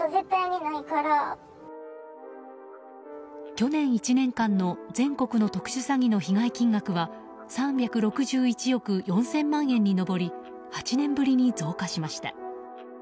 去年１年間の全国の特殊詐欺の被害金額は３６１億４０００万円に上り８年ぶりに増加しました。